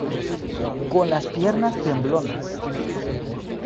con las piernas temblonas.